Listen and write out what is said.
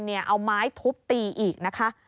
เอาไม้ทุบตีอีกนะคะ